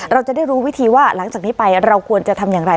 เราจะได้รู้วิธีว่าหลังจากนี้ไปเราควรจะทำอย่างไร